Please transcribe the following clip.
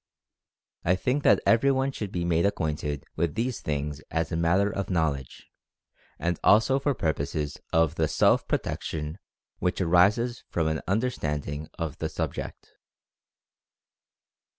I think that everyone should be made acquainted with these things as a matter of knowledge, and also for purposes of the self protection which arises from an understanding of the subject.